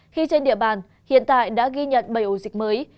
khi trên địa bàn hiện tại đã ghi nhận bảy ổ dịch mới